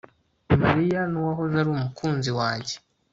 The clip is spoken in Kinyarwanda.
Mariya nuwahoze ari umukunzi wanjye